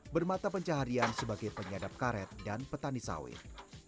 bermata pencaharian sebagai penyadap karet dan petani sawit